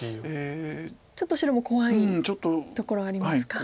ちょっと白も怖いところありますか。